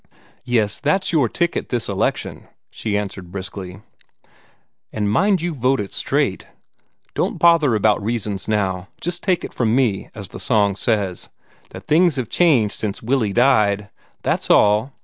"Yes, that's your ticket this election," she answered briskly, "and mind you vote it straight. Don't bother about reasons now. Just take it from me, as the song says, 'that things have changed since Willie died.' That's all.